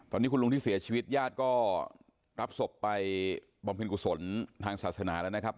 ตอนนี้คุณลุงที่เสียชีวิตญาติก็รับศพไปบำเพ็ญกุศลทางศาสนาแล้วนะครับ